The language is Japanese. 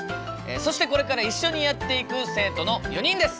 そしてこれから一緒にやっていく生徒の４人です！